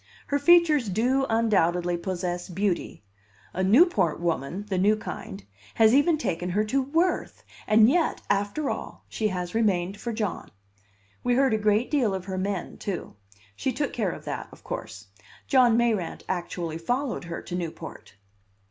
Her features do undoubtedly possess beauty. A Newport woman the new kind has even taken her to Worth! And yet, after all, she has remained for John. We heard a great deal of her men, too. She took care of that, of course. John Mayrant actually followed her to Newport.